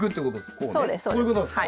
こういうことですか？